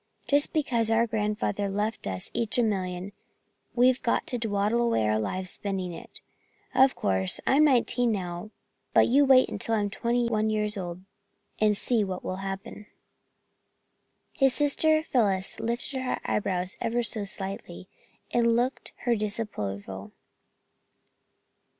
Just because our grandfather left us each a million, we've got to dwaddle away our lives spending it. Of course I'm nineteen now, but you wait until I'm twenty one years old and see what will happen." His sister Phyllis lifted her eyebrows ever so slightly and looked her disapproval.